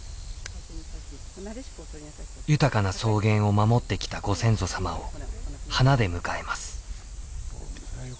豊かな草原を守ってきたご先祖様を花で迎えます。